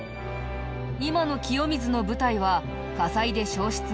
今の清水の舞台は火災で焼失後